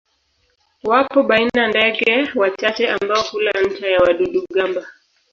Wapo baina ndege wachache ambao hula nta ya wadudu-gamba.